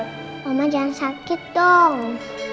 tak ada faktanya